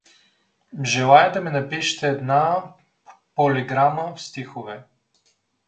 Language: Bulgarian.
— Желая да ми напишете една… полиграма в стихове.